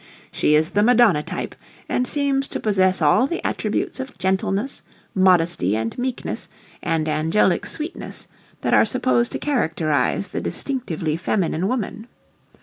She is the Madonna type and seems to possess all the attributes of gentleness, modesty, and meekness, and angelic sweetness that are supposed to characterize the distinctively feminine woman.